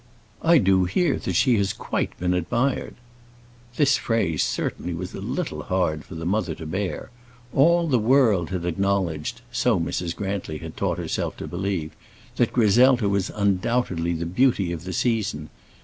I do hear that she has quite been admired." This phrase certainly was a little hard for the mother to bear. All the world had acknowledged, so Mrs. Grantly had taught herself to believe, that Griselda was undoubtedly the beauty of the season.